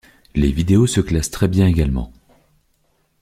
Les vidéos se classent très bien également.